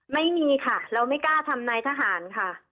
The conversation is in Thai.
ไม่มีค่ะเราไม่กล้าทำนายทหารค่ะ